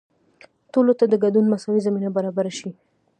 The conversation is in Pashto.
ټولو ته د ګډون مساوي زمینه برابره شي.